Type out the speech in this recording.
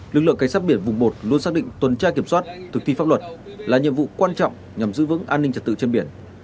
lực lượng cảnh sát biển vùng một luôn xác định tuần tra kiểm soát thực thi pháp luật là nhiệm vụ quan trọng nhằm giữ vững an ninh trật tự trên biển